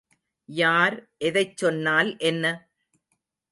யார் எதைச் சொன்னால் என்ன?